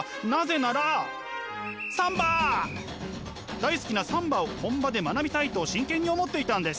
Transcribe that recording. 大好きなサンバを本場で学びたいと真剣に思っていたんです。